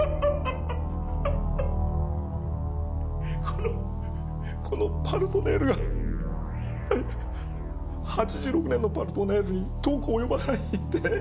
このこの「パルトネール」が８６年の「パルトネール」に遠く及ばないって？